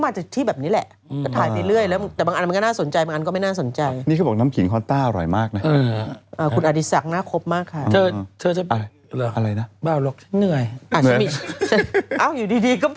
ไม่เอาหรอกหน่วยอ่ะถ้าไม่อยู่ดีก็